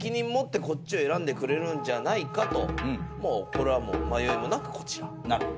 これはもう迷いもなくこちら。